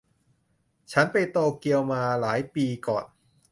ฉันไปโตเกียวมาหลายปีก่อน